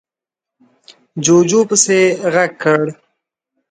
جُوجُو پسې غږ کړ: